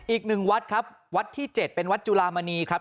อีกหนึ่งวัดครับวัดที่๗เป็นวัดจุลามณีครับ